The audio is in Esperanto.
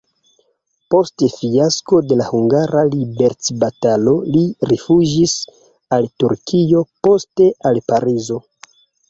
Post fiasko de la hungara liberecbatalo li rifuĝis al Turkio, poste al Parizo.